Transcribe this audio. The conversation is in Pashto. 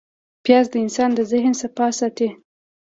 پیاز د انسان د ذهن صفا ساتي